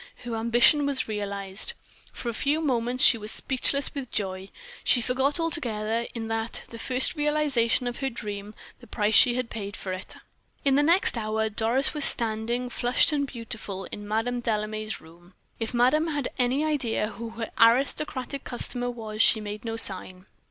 her ambition was realized. For a few moments she was speechless with joy. She forgot altogether, in that, the first realization of her dream, the price she had paid for it. In the next hour Doris was standing, flushed and beautiful, in Madame Delame's room. If madame had any idea who her aristocratic customer was she made no sign.